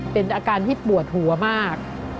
เป็นอาการที่ปวดหัวมาก